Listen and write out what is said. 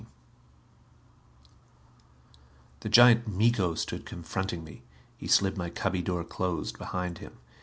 XIV The giant Miko stood confronting me. He slid my cubby door closed behind him.